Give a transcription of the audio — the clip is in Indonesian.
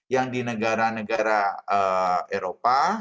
yang di negara negara eropa